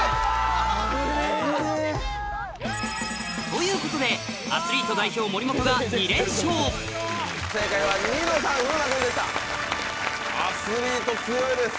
ということでアスリート代表森本が２連勝アスリート強いです。